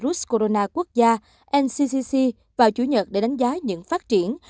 virus corona quốc gia ncgc vào chủ nhật để đánh giá những phát triển